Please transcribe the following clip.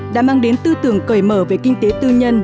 đã mang đến tư tưởng cởi mở về kinh tế tư nhân